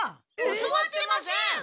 教わってません！